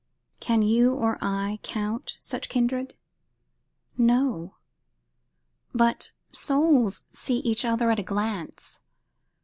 Can you, or I, count such kindred? No; but souls see each other at a glance.